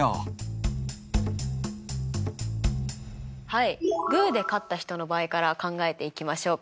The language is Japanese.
はいグーで勝った人の場合から考えていきましょうか。